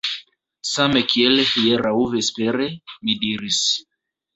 Same kiel hieraŭ vespere, mi diris.